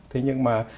thế nhưng mà